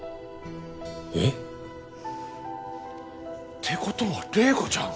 えっ？ってことは麗子ちゃん！